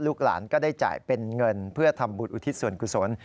หลานก็ได้จ่ายเป็นเงินเพื่อทำบุญอุทิศส่วนกุศล